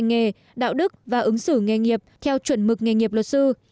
kỹ năng hành nghề đạo đức và ứng xử nghề nghiệp theo chuẩn mực nghề nghiệp luật sư